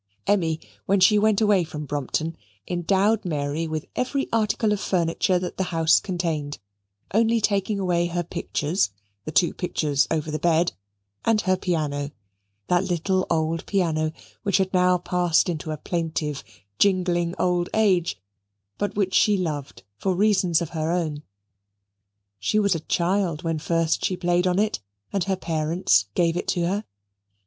Emmy, when she went away from Brompton, endowed Mary with every article of furniture that the house contained, only taking away her pictures (the two pictures over the bed) and her piano that little old piano which had now passed into a plaintive jingling old age, but which she loved for reasons of her own. She was a child when first she played on it, and her parents gave it her.